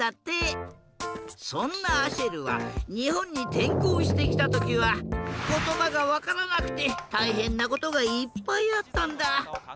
そんなアシェルはにほんにてんこうしてきたときはことばがわからなくてたいへんなことがいっぱいあったんだ。